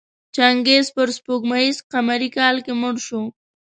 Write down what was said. چنګیز په سپوږمیز قمري کال کې مړ شو.